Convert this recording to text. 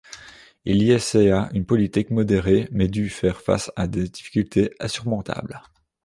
Il y essaya une politique modérée, mais dut faire face à des difficultés insurmontables.